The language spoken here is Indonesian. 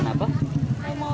saya mau lihat yang kedua